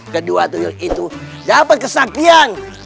kedua tuyuk itu dapat kesaktian